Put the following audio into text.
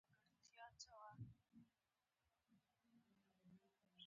ګواښ پېښ نه شي.